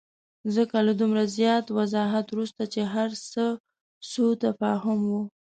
ځکه له دومره زیات وضاحت وروسته چې هرڅه سوءتفاهم وو.